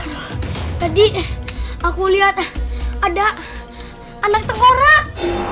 aduh tadi aku lihat ada anak tengkorak